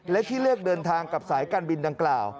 และที่เลือกเดินทางกับสายการบินดังกล่าว